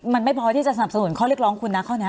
มันไม่พอที่จะสนับสนุนข้อเรียกร้องคุณนะข้อนี้